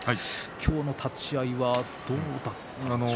今日の立ち合いはどうだったでしょうね。